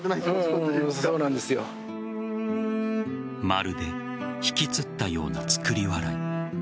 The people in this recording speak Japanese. まるでひきつったような作り笑い。